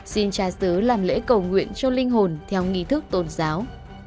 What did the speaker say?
xin cha sứ làm lễ cầu nguyện cho linh hồn theo nghi thức tôn giáo